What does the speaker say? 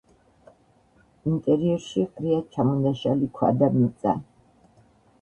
ინტერიერში ყრია ჩამონაშალი ქვა და მიწა.